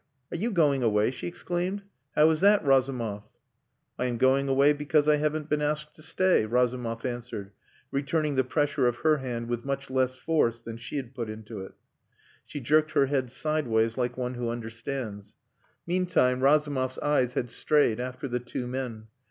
Are you going away?" she exclaimed. "How is that, Razumov?" "I am going away because I haven't been asked to stay," Razumov answered, returning the pressure of her hand with much less force than she had put into it. She jerked her head sideways like one who understands. Meantime Razumov's eyes had strayed after the two men.